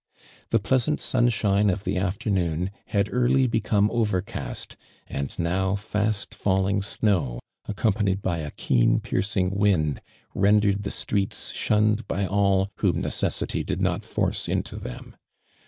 The pleasant sunshine of the afternoon had early becogie overcast, and now fast falling snow, accompanied by a keen piercing wind, rendered the streets shunned by all .vliom necessity did not force into them.